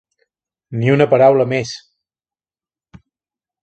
Ni una paraula més.